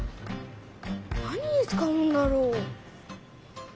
何に使うんだろ？